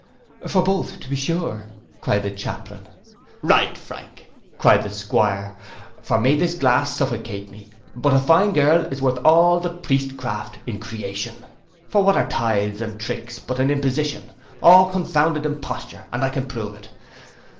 'For both, to be sure,' cried the chaplain.—'Right Frank,' cried the 'Squire; 'for may this glass suffocate me but a fine girl is worth all the priestcraft in the creation. For what are tythes and tricks but an imposition, all a confounded imposture, and I can prove it.